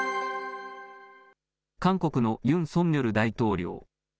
韓国のユン・ソンニョル大統領。